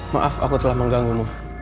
maaf aku telah mengganggu mu